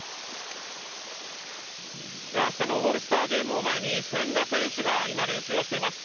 あしたのオールスターゲームを前に千賀選手が今、練習をしています。